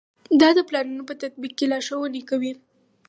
دا د پلانونو په تطبیق کې لارښوونې کوي.